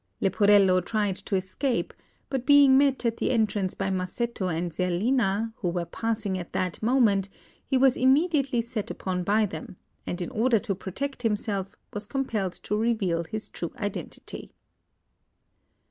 Leporello tried to escape, but being met at the entrance by Masetto and Zerlina, who were passing at that moment, he was immediately set upon by them, and in order to protect himself, was compelled to reveal his true identity.